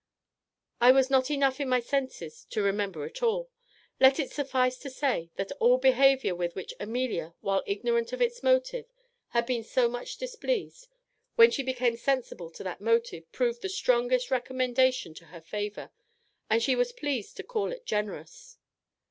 I was not enough in my senses to remember it all. Let it suffice to say, that that behaviour with which Amelia, while ignorant of its motive, had been so much displeased, when she became sensible of that motive, proved the strongest recommendation to her favour, and she was pleased to call it generous."